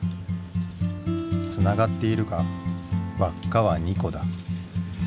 つながっているが輪っかは２個だ。